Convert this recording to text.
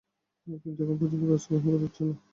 কিন্তু এখন পর্যন্ত ব্যবস্থা গ্রহণ করা হচ্ছে না।